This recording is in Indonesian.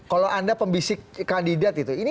kalau anda pemisik kandidat itu ini